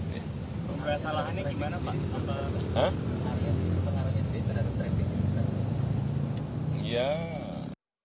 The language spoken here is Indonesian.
pembangunan ini gimana pak